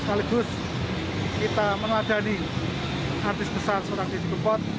sekaligus kita meneladani artis besar seorang didi kepot